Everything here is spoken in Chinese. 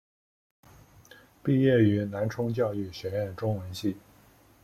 毕业于南充教育学院中文系。